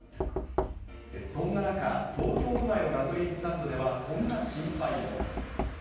そんな中、東京都内のガソリンスタンドでは、こんな心配も。